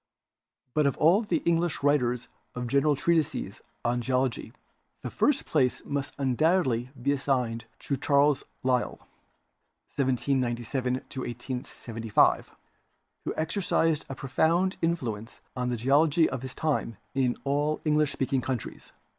But of all the English writers of general treatises on geology, the first place must undoubtedly be assigned to Charles Lyell (1797 1875), who exercised a profound in fluence on the geology of his time in all English speaking countries.